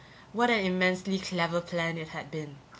What an immensely clever plan it had been!